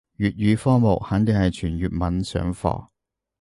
粵語科目肯定係全粵文上課